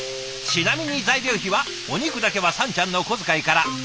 ちなみに材料費はお肉だけはさんちゃんの小遣いから。